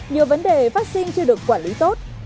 nhiều vấn đề vắc xin chưa được quản lý tốt